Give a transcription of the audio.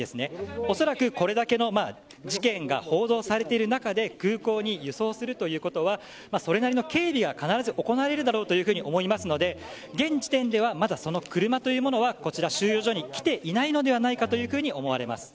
おそらくこれだけの事件が報道されている中で空港に輸送するということはそれなりの警備が、必ず行われるだろうと思いますので現時点はまだその車というものはこちら収容所に来ていないのではないかと思われます。